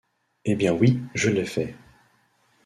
Eh bien, oui ! je l’ai fait !